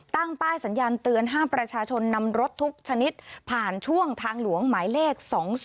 ตั้งป้ายสัญญาณเตือนห้ามประชาชนนำรถทุกชนิดผ่านช่วงทางหลวงหมายเลข๒๒